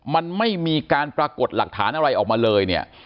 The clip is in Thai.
มันไม่มีการปรากฏหลักฐานอะไรออกมาเลยเนี่ย